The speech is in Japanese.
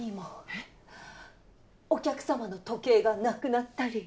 えっ？お客さまの時計がなくなったり。